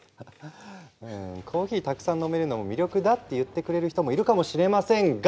コーヒーたくさん飲めるのも魅力だって言ってくれる人もいるかもしれませんが！